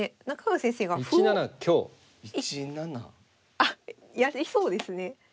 あっやりそうですね。